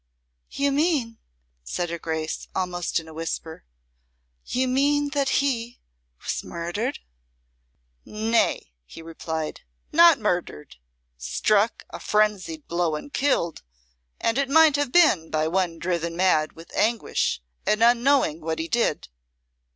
"You mean," said her Grace, almost in a whisper, "you mean that he was murdered?" "Nay," he replied, "not murdered struck a frenzied blow and killed, and it might have been by one driven mad with anguish and unknowing what he did."